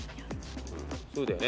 そうだよね。